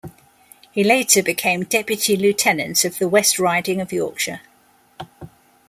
He later became deputy-lieutenant of the West Riding of Yorkshire.